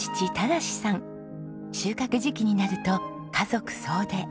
収穫時期になると家族総出。